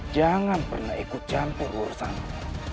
jangan pernah ikut campur urusanmu